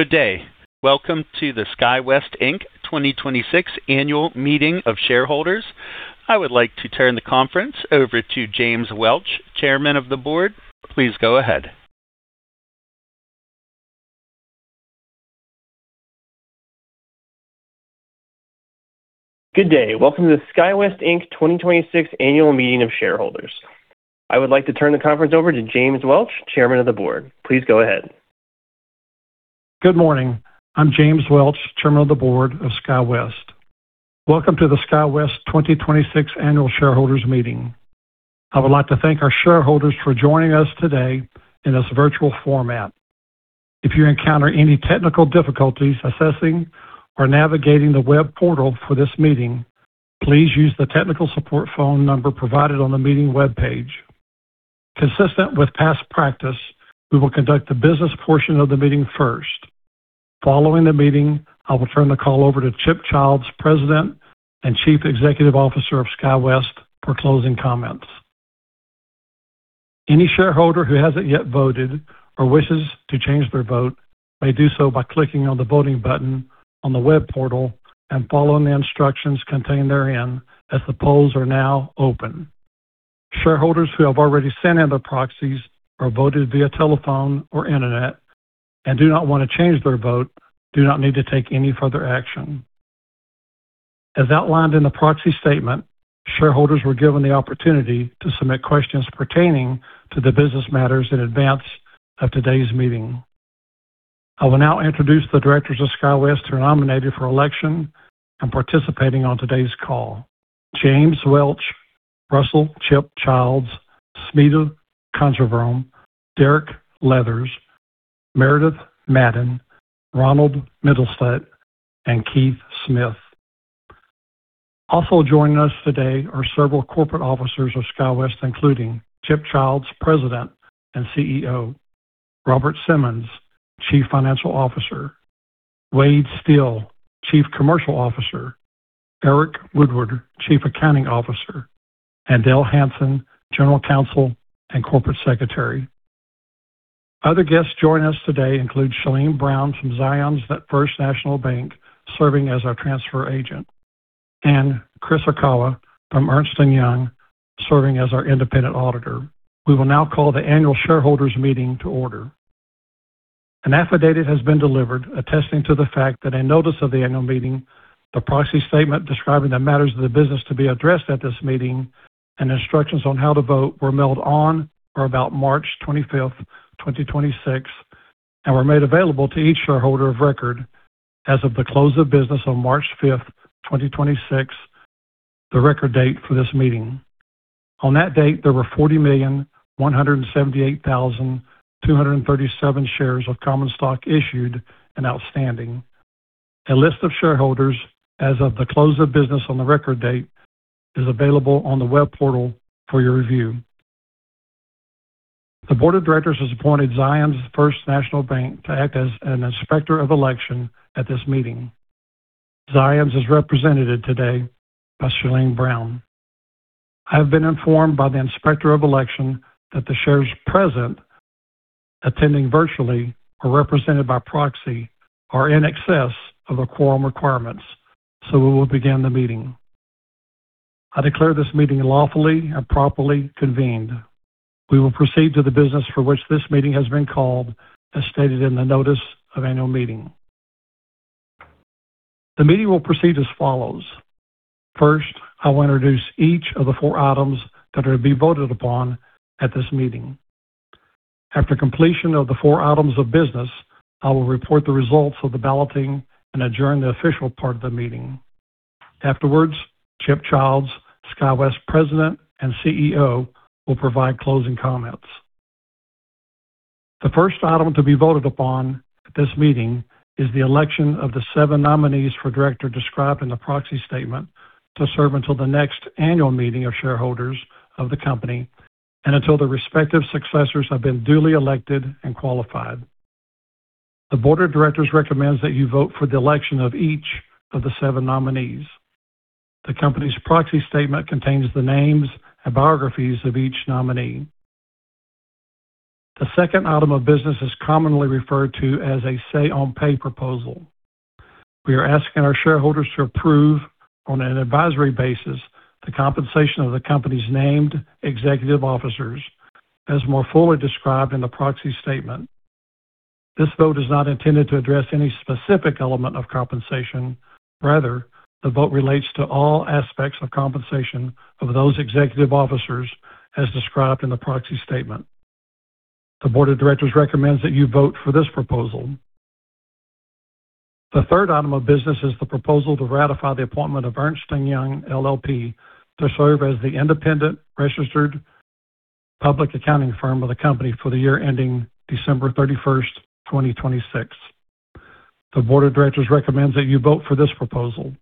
Good day. Welcome to the SkyWest, Inc. 2026 Annual Meeting of Shareholders. I would like to turn the conference over to James Welch, Chairman of the Board. Please go ahead. Good morning. I'm James Welch, Chairman of the Board of SkyWest. Welcome to the SkyWest 2026 Annual Shareholders Meeting. I would like to thank our shareholders for joining us today in this virtual format. If you encounter any technical difficulties accessing or navigating the web portal for this meeting, please use the technical support phone number provided on the meeting webpage. Consistent with past practice, we will conduct the business portion of the meeting first. Following the meeting, I will turn the call over to Chip Childs, President and Chief Executive Officer of SkyWest, for closing comments. Any shareholder who hasn't yet voted or wishes to change their vote may do so by clicking on the voting button on the web portal and following the instructions contained therein as the polls are now open. Shareholders who have already sent in their proxies or voted via telephone or internet and do not want to change their vote do not need to take any further action. As outlined in the proxy statement, shareholders were given the opportunity to submit questions pertaining to the business matters in advance of today's meeting. I will now introduce the directors of SkyWest who are nominated for election and participating on today's call. James Welch, Russell Chip Childs, Smita Conjeevaram, Derek Leathers, Meredith Madden, Ronald Mittelstaedt, and Keith Smith. Also joining us today are several corporate officers of SkyWest, including Chip Childs, President and CEO, Robert Simmons, Chief Financial Officer, Wade Steel, Chief Commercial Officer, Eric Woodward, Chief Accounting Officer, and Dale Hansen, General Counsel and Corporate Secretary. Other guests joining us today include Shelene Brown from Zions First National Bank, serving as our transfer agent, and Chris Okawa from Ernst & Young, serving as our independent auditor. We will now call the annual shareholders meeting to order. An affidavit has been delivered attesting to the fact that a notice of the annual meeting, the proxy statement describing the matters of the business to be addressed at this meeting, and instructions on how to vote were mailed on or about March 25th, 2026, and were made available to each shareholder of record as of the close of business on March 5th, 2026, the record date for this meeting. On that date, there were 40,178,237 shares of common stock issued and outstanding. A list of shareholders as of the close of business on the record date is available on the web portal for your review. The board of directors has appointed Zions First National Bank to act as an inspector of election at this meeting. Zions is represented today by Shelene Brown. I have been informed by the inspector of election that the shares present, attending virtually or represented by proxy, are in excess of the quorum requirements, so we will begin the meeting. I declare this meeting lawfully and properly convened. We will proceed to the business for which this meeting has been called, as stated in the notice of annual meeting. The meeting will proceed as follows. First, I will introduce each of the four items that are to be voted upon at this meeting. After completion of the four items of business, I will report the results of the balloting and adjourn the official part of the meeting. Afterwards, Chip Childs, SkyWest President and CEO, will provide closing comments. The first item to be voted upon at this meeting is the election of the seven nominees for director described in the proxy statement to serve until the next annual meeting of shareholders of the company and until the respective successors have been duly elected and qualified. The board of directors recommends that you vote for the election of each of the seven nominees. The company's proxy statement contains the names and biographies of each nominee. The second item of business is commonly referred to as a say on pay proposal. We are asking our shareholders to approve on an advisory basis the compensation of the company's named executive officers as more fully described in the proxy statement. This vote is not intended to address any specific element of compensation. Rather, the vote relates to all aspects of compensation of those executive officers as described in the proxy statement. The Board of Directors recommends that you vote for this proposal. The third item of business is the proposal to ratify the appointment of Ernst & Young LLP to serve as the independent registered public accounting firm of the company for the year ending December 31st, 2026. The Board of Directors recommends that you vote for this proposal.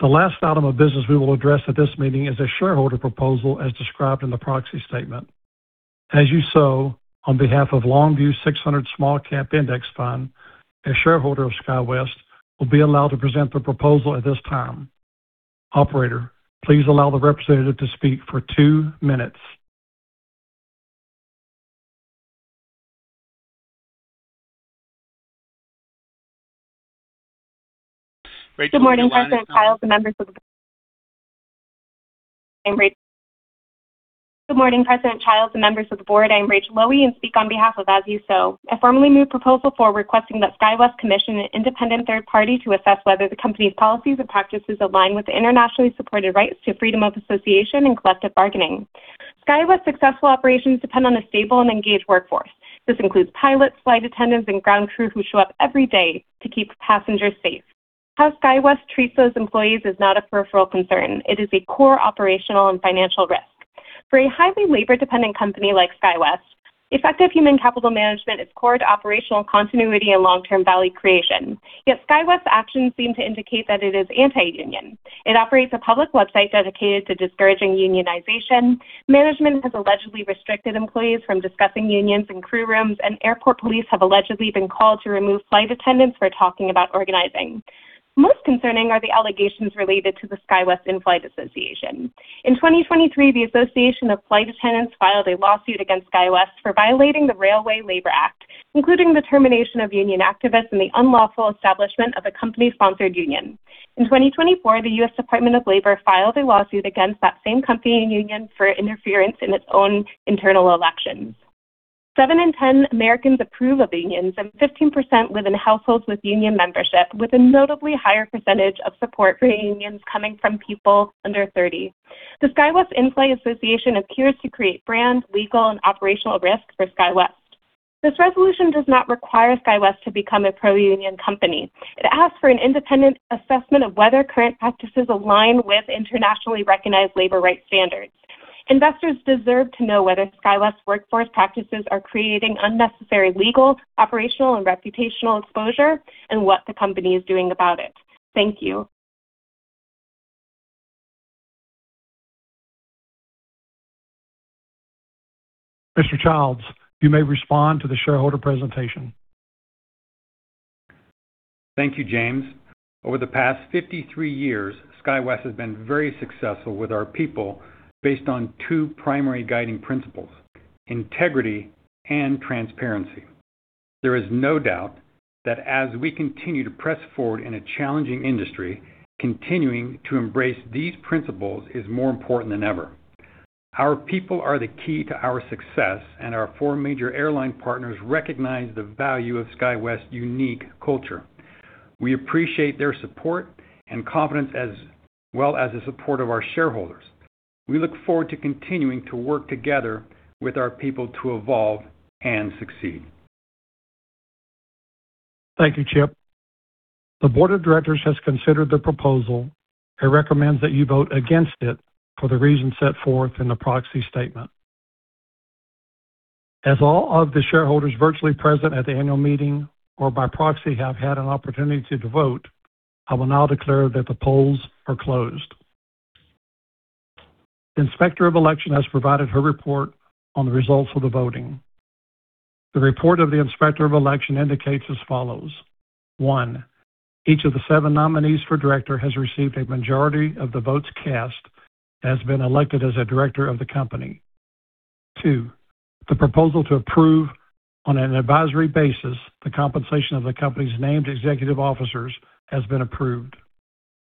The last item of business we will address at this meeting is a shareholder proposal as described in the proxy statement. As You Sow, on behalf of LongView 600 Small Cap Index Fund, a shareholder of SkyWest will be allowed to present the proposal at this time. Operator, please allow the representative to speak for two minutes. Good morning, President Childs and members of the board. I am Rachel Lowy and speak on behalf of As You Sow. I formally move proposal for requesting that SkyWest commission an independent third party to assess whether the company's policies and practices align with the internationally supported rights to freedom of association and collective bargaining. SkyWest successful operations depend on a stable and engaged workforce. This includes pilots, flight attendants, and ground crew who show up every day to keep passengers safe. How SkyWest treats those employees is not a peripheral concern. It is a core operational and financial risk. For a highly labor-dependent company like SkyWest, effective human capital management is core to operational continuity and long-term value creation. Yet SkyWest actions seem to indicate that it is anti-union. It operates a public website dedicated to discouraging unionization. Management has allegedly restricted employees from discussing unions in crew rooms, and airport police have allegedly been called to remove flight attendants for talking about organizing. Most concerning are the allegations related to the SkyWest Inflight Association. In 2023, the Association of Flight Attendants filed a lawsuit against SkyWest for violating the Railway Labor Act, including the termination of union activists and the unlawful establishment of a company-sponsored union. In 2024, the U.S. Department of Labor filed a lawsuit against that same company union for interference in its own internal elections. Seven in 10 Americans approve of unions, and 15% live in households with union membership, with a notably higher percentage of support for unions coming from people under 30. The SkyWest Inflight Association appears to create brand, legal, and operational risk for SkyWest. This resolution does not require SkyWest to become a pro-union company. It asks for an independent assessment of whether current practices align with internationally recognized labor rights standards. Investors deserve to know whether SkyWest's workforce practices are creating unnecessary legal, operational, and reputational exposure and what the company is doing about it. Thank you. Mr. Childs, you may respond to the shareholder presentation. Thank you, James. Over the past 53 years, SkyWest has been very successful with our people based on two primary guiding principles: integrity and transparency. There is no doubt that as we continue to press forward in a challenging industry, continuing to embrace these principles is more important than ever. Our people are the key to our success, and our four major airline partners recognize the value of SkyWest's unique culture. We appreciate their support and confidence as well as the support of our shareholders. We look forward to continuing to work together with our people to evolve and succeed. Thank you, Chip. The board of directors has considered the proposal and recommends that you vote against it for the reasons set forth in the proxy statement. As all of the shareholders virtually present at the annual meeting or by proxy have had an opportunity to vote, I will now declare that the polls are closed. The inspector of election has provided her report on the results of the voting. The report of the inspector of election indicates as follows. One, each of the seven nominees for director has received a majority of the votes cast and has been elected as a director of the company. Two, the proposal to approve on an advisory basis the compensation of the company's named executive officers has been approved.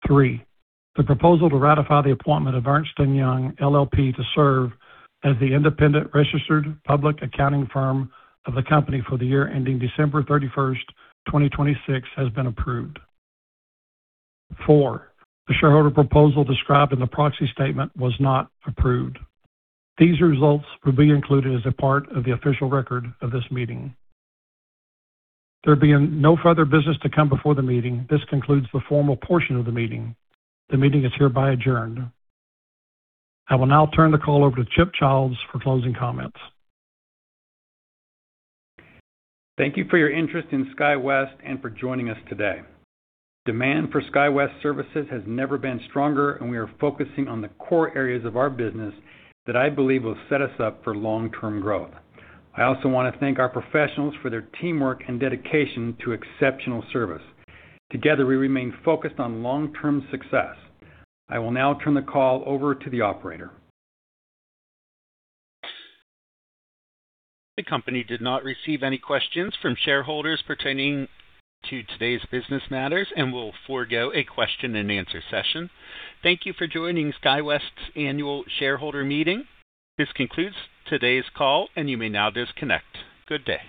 Three, the proposal to ratify the appointment of Ernst & Young LLP to serve as the independent registered public accounting firm of the company for the year ending December 31st, 2026, has been approved. Four, the shareholder proposal described in the proxy statement was not approved. These results will be included as a part of the official record of this meeting. There being no further business to come before the meeting, this concludes the formal portion of the meeting. The meeting is hereby adjourned. I will now turn the call over to Chip Childs for closing comments. Thank you for your interest in SkyWest and for joining us today. Demand for SkyWest services has never been stronger, and we are focusing on the core areas of our business that I believe will set us up for long-term growth. I also want to thank our professionals for their teamwork and dedication to exceptional service. Together, we remain focused on long-term success. I will now turn the call over to the operator. The company did not receive any questions from shareholders pertaining to today's business matters and will forego a question-and-answer session. Thank you for joining SkyWest's annual shareholder meeting. This concludes today's call, and you may now disconnect. Good day.